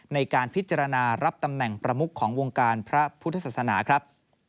ในการพิจารณารับตำแหน่งประมุขของวงการพระพุทธศาสนาครับ